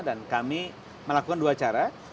dan kami melakukan dua cara